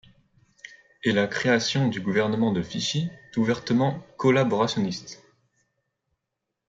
Et la création du Gouvernement de Vichy, ouvertement collaborationniste.